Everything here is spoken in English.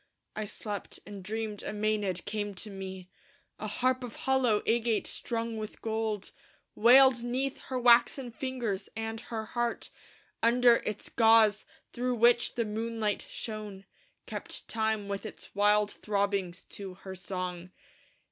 I slept; and dreamed a Mænad came to me: A harp of hollow agate strung with gold Wailed 'neath her waxen fingers, and her heart Under its gauze, through which the moonlight shone, Kept time with its wild throbbings to her song.